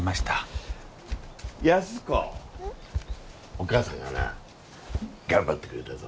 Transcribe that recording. お母さんがな頑張ってくれたぞ。